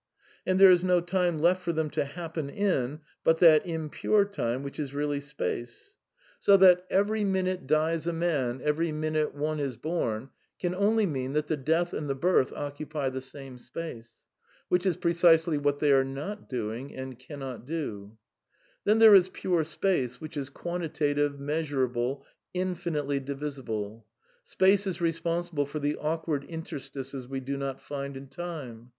And there is no time left for them to happen in but that impure time which is really space. So that "Every yiTALISM 47 minute dies a man, Every minute onQ is bom " can only mean that the death and the birth occupy the same space ; V which is precisely what they are not doing and cannot do/ ^ Then there is Pure Space, which is quantitative, meas urable, infinitely divisible. Space is responsible for the awkward interstices we do not find in Time.